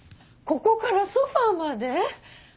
ここからソファまで！？